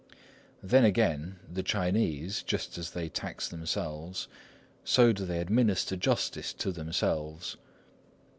Then again, the Chinese, just as they tax themselves, so do they administer justice to themselves.